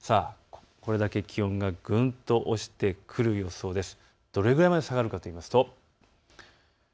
これだけ気温がぐんと落ちてくる予想です。